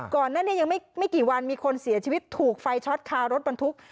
ก่อนหน้านี้ยังไม่กี่วันมีคนเสียชีวิตถูกไฟช็อตคารถบรรทุก